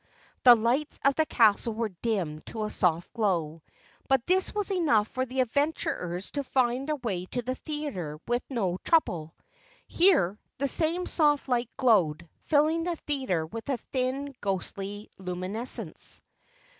The lights of the castle were dimmed to a soft glow, but this was enough for the adventurers to find their way to the theater with no trouble. Here, the same soft light glowed, filling the theater with a thin, ghostly luminescence.